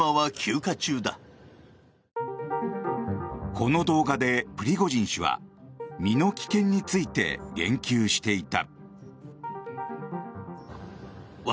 この動画でプリゴジン氏は身の危険について言及していた。